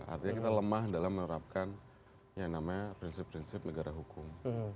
artinya kita lemah dalam menerapkan yang namanya prinsip prinsip negara hukum